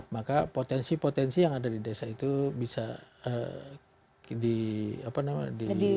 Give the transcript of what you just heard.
maka potensi potensi yang ada di desa itu bisa di apa namanya di